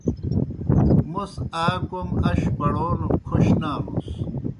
موْس آ کوْم اش بڑون کھوْش نانُس۔